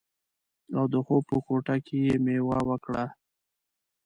او د خوب په کوټه کې یې میوه وکړه